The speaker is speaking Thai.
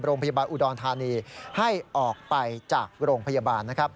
โรงพยาบาลอุดรธานีให้ออกไปจากโรงพยาบาลนะครับ